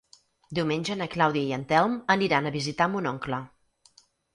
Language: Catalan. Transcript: Diumenge na Clàudia i en Telm aniran a visitar mon oncle.